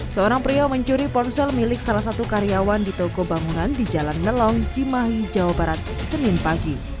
seorang pria mencuri ponsel milik salah satu karyawan di toko bangunan di jalan melong cimahi jawa barat senin pagi